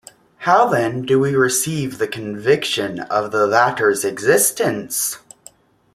How, then, do we receive the conviction of the latter's existence?